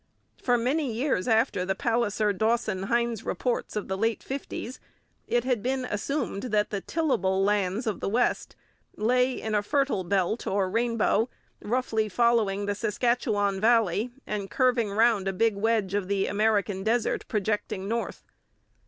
For many years after the Palliser Dawson Hinds reports of the late fifties, it had been assumed that the tillable lands of the West lay in a 'Fertile Belt' or rainbow, following roughly the Saskatchewan valley and curving round a big wedge of the American desert projecting north.